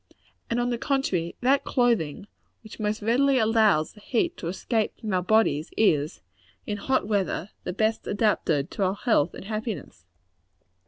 And, on the contrary, that clothing which most readily allows the heat to escape from our bodies, is, in hot weather, the best adapted to our health and happiness.